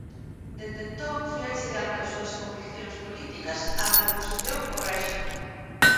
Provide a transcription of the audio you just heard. Dende entón foi achegando as súas conviccións políticas ás da oposición ao réxime.